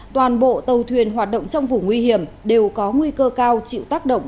toàn bộ tàu thuyền hoạt động trong vùng nguy hiểm đều có nguy cơ cao chịu tác động